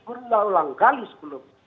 sudah ulang kali sebelum